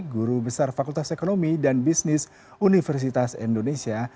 guru besar fakultas ekonomi dan bisnis universitas indonesia